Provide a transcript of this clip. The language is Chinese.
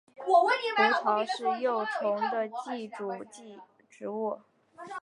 胡桃是幼虫的寄主植物。